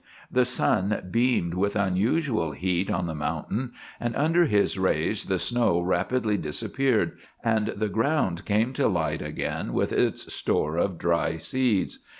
The sun beamed with unusual heat on the mountain, and under his rays the snow rapidly disappeared, and the ground came to light again with its store of dry seeds.